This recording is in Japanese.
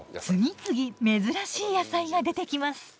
次々珍しい野菜が出てきます。